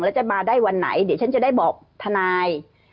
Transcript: แล้วจะมาได้วันไหนเดี๋ยวฉันจะได้บอกทนาย